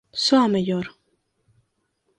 Soa mellor.